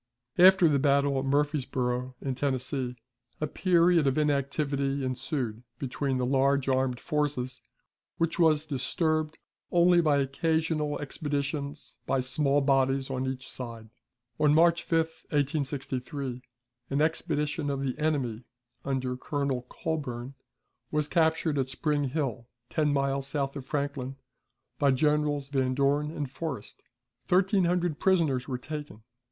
After the battle at Murfreesboro, in Tennessee, a period of inactivity ensued between the large armed forces, which was disturbed only by occasional expeditions by small bodies on each side. On March 5, 1863, an expedition of the enemy, under Colonel Colburn, was captured at Spring Hill, ten miles south of Franklin, by Generals Van Dorn and Forrest. Thirteen hundred prisoners were taken.